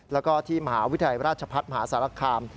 แล้วก็ที่มหาวิทยาลัยราชพัฒน์มหาสารคาม